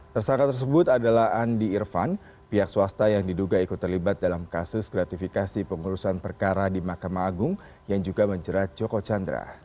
tersangka tersebut adalah andi irfan pihak swasta yang diduga ikut terlibat dalam kasus gratifikasi pengurusan perkara di mahkamah agung yang juga menjerat joko chandra